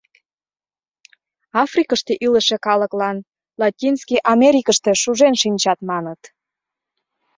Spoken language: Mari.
— Африкыште илыше калыклан, Латинский Америкыште шужен шинчат, маныт.